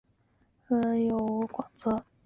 蛹体色淡褐且带有淡紫色光泽。